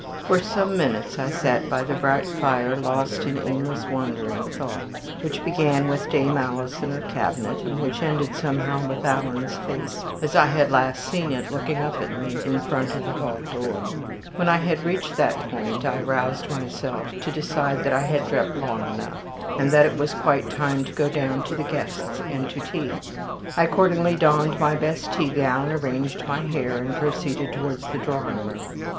For some minutes I sat by the bright fire, lost in aimless, wandering thought, which began with Dame Alice and her cabinet, and which ended somehow with Alan's face, as I had last seen it looking up at me in front of the hall door. When I had reached that point, I roused myself to decide that I had dreamt long enough, and that it was quite time to go down to the guests and to tea. I accordingly donned my best teagown, arranged my hair, and proceeded towards the drawing room.